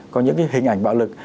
có những cái hình ảnh bạo lực